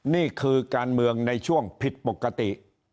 นี่คือการเมืองในช่วงผิดปกติ